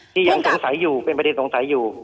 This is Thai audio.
ที่ยังศึงใสอยู่เป็นประเด็นสงสัยอยู่